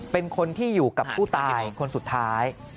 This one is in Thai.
เป็นคนที่อยู่กับผู้ตายคนสุดท้าย